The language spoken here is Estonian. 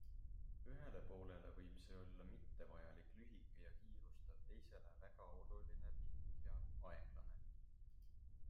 Ühele poolele võib see olla mittevajalik, lühike ja kiirustav, teisele väga oluline, pikk ja aeglane.